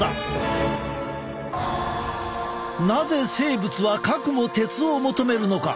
なぜ生物はかくも鉄を求めるのか？